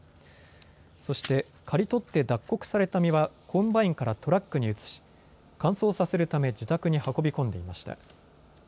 そして刈り取って脱穀された実はコンバインからトラックに移し乾燥させるため自宅に運び込んでいました。